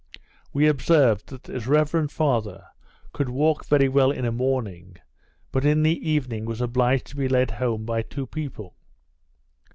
We observed, that this reverend father could walk very well in a morning, but in the evening was obliged to be led home by two people.